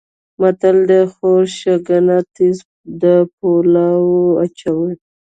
متل دی: خوري شکنه تیز د پولاو اچوي.